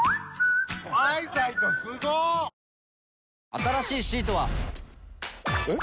新しいシートは。えっ？